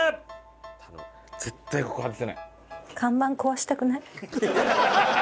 絶対ここ外せない！